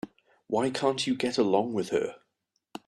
Why can't you get along with her?